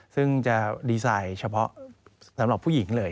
ซึ่งจะดีไซน์เฉพาะสำหรับผู้หญิงเลย